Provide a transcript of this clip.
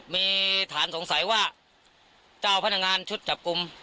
มีฐานสงสัยว่าเจ้าพนักงานชุดจับกลุ่ม